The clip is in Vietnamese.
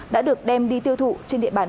đã được đem đi tiêu thụ trên địa bàn